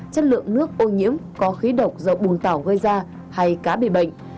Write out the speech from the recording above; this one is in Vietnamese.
chất lượng nước ô nhiễm có khí độc do bùn tảo gây ra hay cá bị bệnh